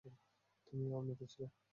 তুমিও আর্মিতে ছিলে।